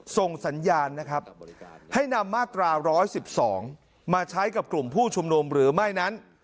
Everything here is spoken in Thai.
ส่งสัญญาณนะครับให้นำมาตรา๑๑๒มาใช้กับกลุ่มผู้ชุมนุมหรือไม่นั้น